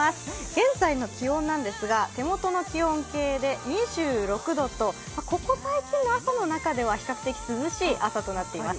現在の気温なんですが手元の気温計で２６度とここ最近の朝の中では比較的涼しい朝となっています。